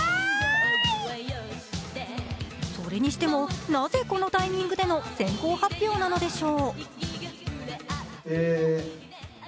それにしても、なぜこのタイミングでの先攻発表なのでしょう。